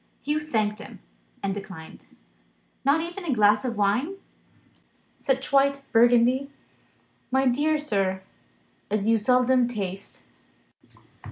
Hugh thanked him, and declined. "Not even a glass of wine? Such white Burgundy, my dear sir, as you seldom taste."